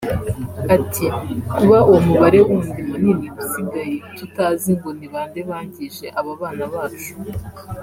Ati “Kuba uwo mubare wundi munini usigaye tutazi ngo ni bande bangije aba bana bacu